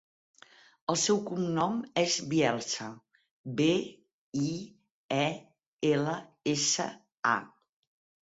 El seu cognom és Bielsa: be, i, e, ela, essa, a.